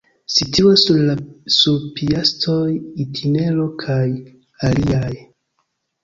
Situas sur Piastoj-itinero kaj aliaj.